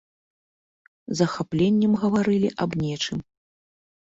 З захапленнем гаварылі аб нечым.